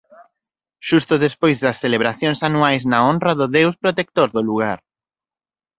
Xusto despois das celebracións anuais na honra do deus protector do lugar.